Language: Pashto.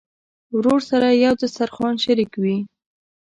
ورور سره یو دسترخوان شریک وي.